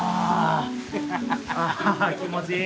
ああ気持ちいい。